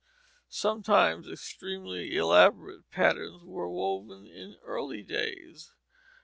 Sometimes extremely elaborate patterns were woven in earlier days.